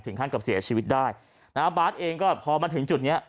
ถึงขั้นกับเสียชีวิตได้บาร์ทเองก็พอมาถึงจุดนี้